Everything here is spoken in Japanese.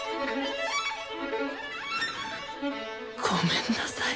ごめんなさい。